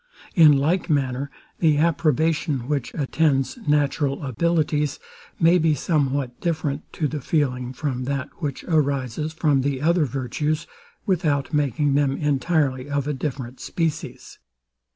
In like manner, the approbation which attends natural abilities, may be somewhat different to the feeling from that, which arises from the other virtues, without making them entirely of a different species.